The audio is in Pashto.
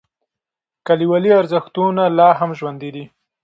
کلیوالي ارزښتونه لا هم ژوندی دي.